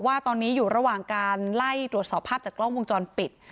ว่าตอนนี้อยู่ระหว่างการไล่ตรวจสอบภาพจากกล้องวงจรปิด